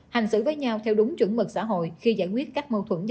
hành xử với nhau theo đúng chuẩn mực xã hội khi giải quyết các mâu thuẫn dân sự